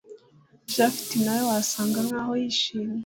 japhet nawe wasaga nkaho yishimye